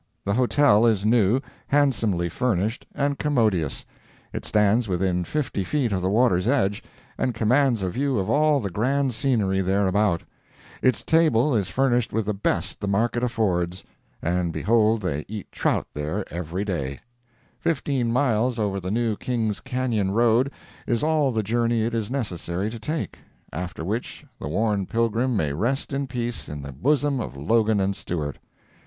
The hotel is new, handsomely furnished, and commodious; it stands within fifty feet of the water's edge, and commands a view of all the grand scenery there about; its table is furnished with the best the market affords, and behold they eat trout there every day; fifteen miles over the new King's Canyon road is all the journey it is necessary to take—after which the worn pilgrim may rest in peace in the bosom of Logan & Stewart.